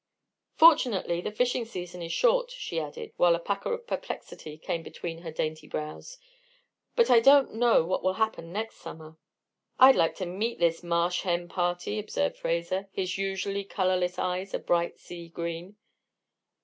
"Fortunately, the fishing season is short," she added, while a pucker of perplexity came between her dainty brows; "but I don't know what will happen next summer." "I'd like to meet this Marsh hen party," observed Fraser, his usually colorless eyes a bright sea green.